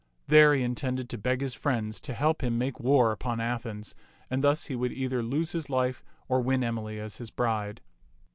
There he intended to beg his friends to help him make war upon Athens ; and thus he would either lose his life or win Emily as his bride.